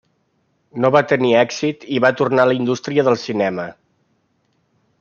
No va tenir èxit i va tornar a la indústria del cinema.